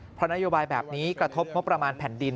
เพราะนโยบายแบบนี้กระทบงบประมาณแผ่นดิน